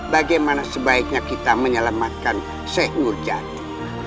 bagaimana sebaiknya kita menyelamatkan syed nur jati